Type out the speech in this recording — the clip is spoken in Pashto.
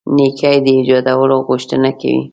نېکۍ د ایجادولو غوښتنه کوي.